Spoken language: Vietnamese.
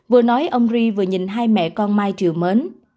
vừa nói ông ri vừa nhìn hai mẹ con mai triều mến